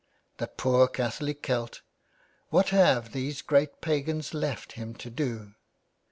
The poor Catholic Celt I What have these great pagans left him to do.